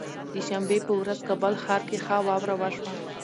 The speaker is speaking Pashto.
د شنبه به ورځ کابل ښار کې ښه واوره وشوه